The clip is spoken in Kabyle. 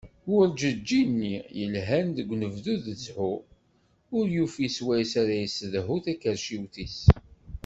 Werǧeǧǧi-nni yelhan deg unebdu d zzhu, ur yufi s wayes ara yessedhu takerciwt-is.